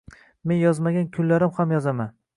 Men yozmagan kunlarim ham yozaman